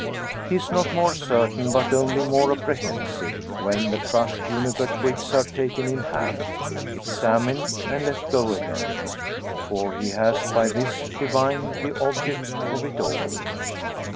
He is not more certain, but only more apprehensive, when the crushed juniper twigs are taken in hand, examined, and let go again. For he has by this divined the object of it all.